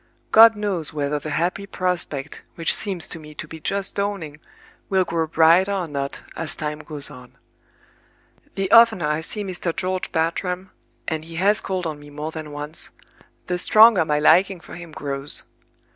God knows whether the happy prospect which seems to me to be just dawning will grow brighter or not as time goes on. The oftener I see Mr. George Bartram—and he has called on me more than once—the stronger my liking for him grows.